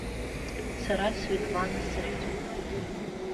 Сара Светлана сыхьӡуп.